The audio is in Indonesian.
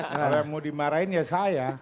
kalau mau dimarahin ya saya